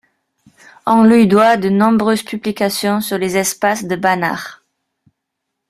On lui doit de nombreuses publications sur les espaces de Banach.